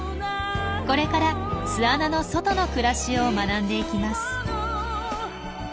これから巣穴の外の暮らしを学んでいきます。